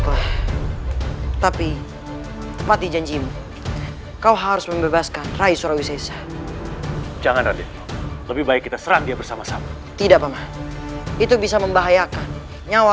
kau ingin aku melepaskan keponakan keluarga dana